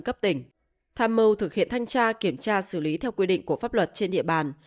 cấp tỉnh tham mưu thực hiện thanh tra kiểm tra xử lý theo quy định của pháp luật trên địa bàn